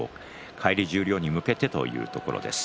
返り十両に向けてというところです。